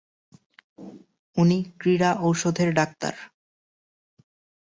উনি ক্রীড়া ঔষধের ডাক্তার।